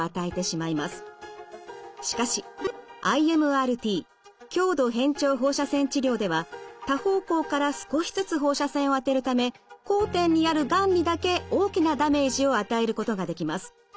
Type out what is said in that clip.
しかしＩＭＲＴ強度変調放射線治療では多方向から少しずつ放射線を当てるため交点にあるがんにだけ大きなダメージを与えることができます。